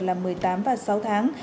là một mươi tám và sáu tháng